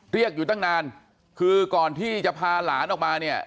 เรียกอยู่ตั้งนานคือก่อนที่จะพาหลานออกมาเนี่ย